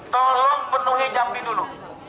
tolong penuhi jambi dulu